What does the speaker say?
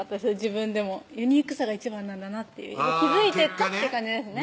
自分でもユニークさが一番なんだなって気付いてったって感じですね